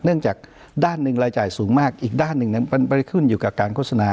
เนื่องจากด้านหนึ่งรายจ่ายสูงมากอีกด้านหนึ่งมันไปขึ้นอยู่กับการโฆษณา